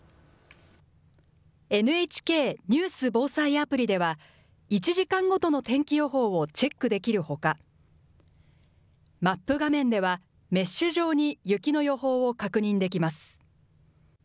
ＮＨＫニュース・防災アプリでは、１時間ごとの天気予報をチェックできるほか、マップ画面では、メッシュ状に雪の予報を確認できます。